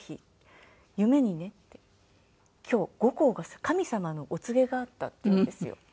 「今日後光が神様のお告げがあった」って言うんですよ。